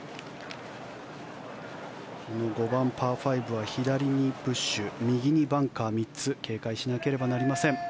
５番、パー５は左にブッシュ右にバンカー３つ警戒しなければなりません。